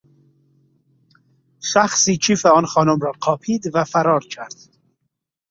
شخصی کیف آن خانم را قاپید و فرار کرد.